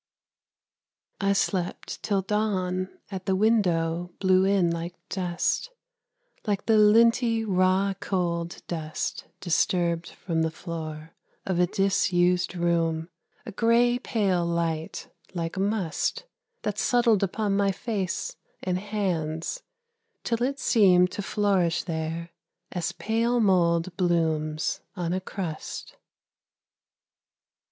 I slept till dawn at the window blew in like dust, Like the linty, raw cold dust disturbed from the floor Of a disused room: a grey pale light like must That settled upon my face and hands till it seemed To flourish there, as pale mould blooms on a crust.